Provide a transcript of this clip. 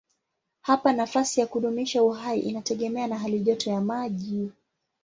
Hapa nafasi ya kudumisha uhai inategemea na halijoto ya maji.